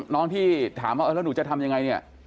น้องที่ถามว่าแล้วหนูจะทำยังไงเนี่ย